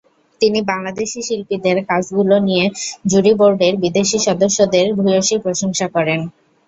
তিনি বাংলাদেশি শিল্পীদের কাজগুলো নিয়ে জুরিবোর্ডের বিদেশি সদস্যদের ভূয়সী প্রশংসা করেন।